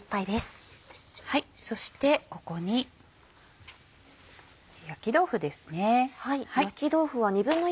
そしてここに焼き豆腐ですね。